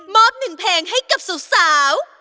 มอบหนึ่งเพลงให้กับสุสาว